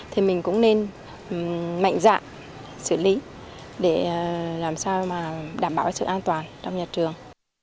thì mình cũng nên mạnh dạng xử lý để làm sao mà đảm bảo sự an toàn trong nhà trường